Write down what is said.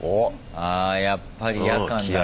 あやっぱり夜間だから。